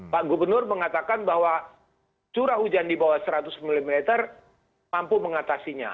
pak gubernur mengatakan bahwa curah hujan di bawah seratus mm mampu mengatasinya